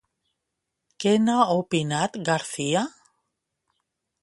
Què n'ha opinat García?